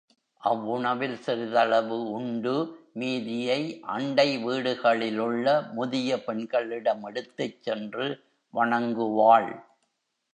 அவ்வுணவில் சிறிதளவு உண்டு, மீதியை அண்டை வீடுகளிலுள்ள முதிய பெண்களிடம் எடுத்துச்சென்று வணங்குவாள்.